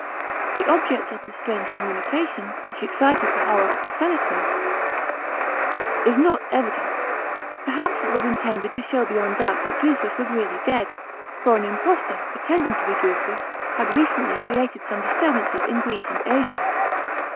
The object of this strange com munication, which excited the horror of the senators, is not evident ; perhaps it was intended to show beyond doubt that Drusus was really dead, for an impostor, pretending to be Drusus, had recently created some disturbances in Greece and Asia.